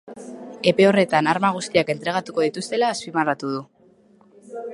Epe horretan arma guztiak entregatuko dituztela azpimarratu du.